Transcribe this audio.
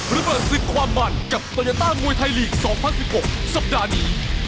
ระเบิดศึกความมันกับโตยาต้ามวยไทยลีก๒๐๑๖สัปดาห์นี้